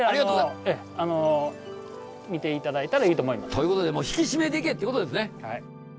ということでもう引き締めていけってことですね。